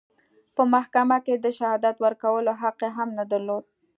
په محکمه کې د شهادت ورکولو حق هم نه درلود.